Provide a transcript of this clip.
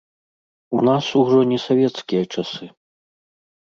У нас ужо не савецкія часы.